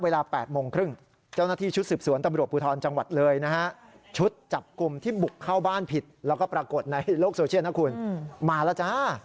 โลกโซเชียรนะคุณมาแล้วจ้า